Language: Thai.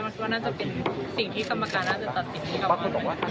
ว่าน่าจะเป็นสิ่งที่กรรมการน่าจะตัดสินที่กรรมกัน